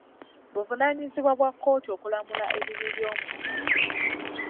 Buvunaanyizibwa bwa kkooti okulamula ebibi by'omuntu.